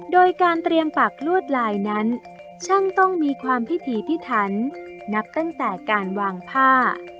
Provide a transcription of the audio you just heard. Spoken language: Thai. โดยการเตรียมปากลวดลายนั้นช่างต้องมีความพิถีพิถันนับตั้งแต่การวางผ้า